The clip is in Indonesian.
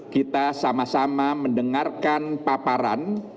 kita sama sama mendengarkan paparan